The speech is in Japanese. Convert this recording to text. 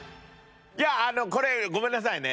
いやこれごめんなさいね。